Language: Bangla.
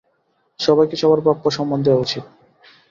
সবাইকে সবার প্রাপ্য সম্মান দেয়া উচিত।